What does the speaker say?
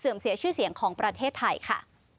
เสียชื่อเสียงของประเทศไทยค่ะ